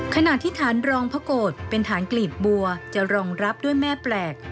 ขณะที่ฐานรองพระโกรธเป็นฐานกลีบบัวจะรองรับด้วยแม่แปลก